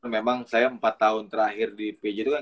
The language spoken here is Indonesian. memang saya empat tahun terakhir di pj itu kan